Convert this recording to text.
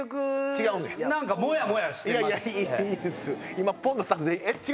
今。